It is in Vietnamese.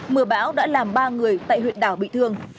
mưa bão đã làm ba người tại huyện đảo bị thương